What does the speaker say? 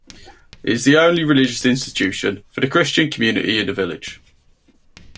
It is the only religious institution for the Christian community in the village.